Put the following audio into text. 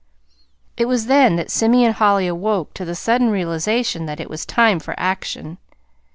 It was then that Simeon Holly awoke to the sudden realization that it was time for action.